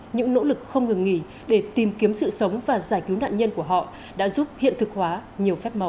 những nỗ lực không ngừng nghỉ để tìm kiếm sự sống và giải cứu nạn nhân của họ đã giúp hiện thực hóa nhiều phép màu